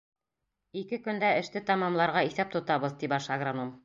Ике көндә эште тамамларға иҫәп тотабыҙ, — ти баш агроном.